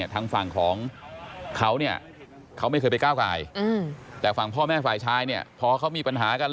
ทางฝั่งของเขาไม่เคยไปก้าวไก่แต่ฝั่งพ่อแม่ฝ่ายชายพอเขามีปัญหากัน